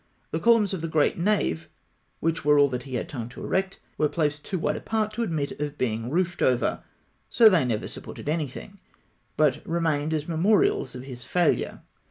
The columns of the great nave, which were all that he had time to erect, were placed too wide apart to admit of being roofed over; so they never supported anything, but remained as memorials of his failure.